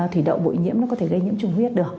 thủy đậu bội nhiễm nó có thể gây nhiễm chủng huyết được